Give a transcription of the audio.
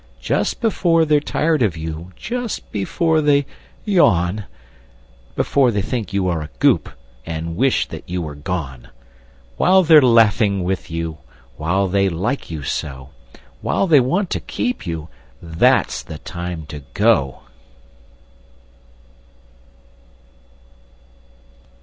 Just before they're tired of you, Just before they yawn, Before they think you are a Goop, And wish that you were gone, While they're laughing with you, While they like you so, While they want to keep you, That's the time to go!